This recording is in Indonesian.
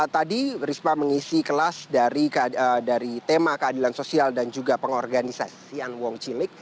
tadi risma mengisi kelas dari tema keadilan sosial dan juga pengorganisasian wong cilik